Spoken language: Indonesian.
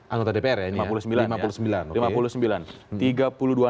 anggota dpr ya